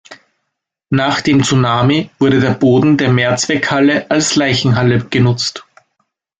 Nach dem Tsunami wurde der Boden der Mehrzweckhalle als Leichenhalle genutzt.